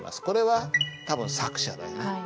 これは多分作者だよね。